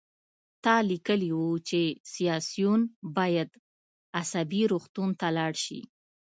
تا لیکلي وو چې سیاسیون باید عصبي روغتون ته لاړ شي